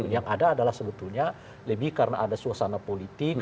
yang ada adalah sebetulnya lebih karena ada suasana politik